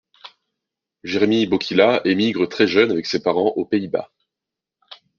Jérémy Bokila émigre très jeune avec ses parents aux Pays-Bas.